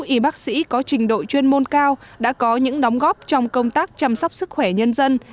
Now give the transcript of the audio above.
y bác sĩ có trình độ chuyên môn cao đã có những đóng góp trong công tác chăm sóc sức khỏe nhân dân